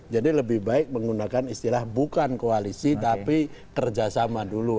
jadi lebih baik menggunakan istilah bukan koalisi tapi kerjasama dulu